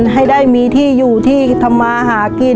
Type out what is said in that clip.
ให้ได้มีที่อยู่ที่ทำมาหากิน